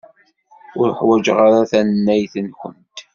Ur ḥwajeɣ ara tannayt-nwent.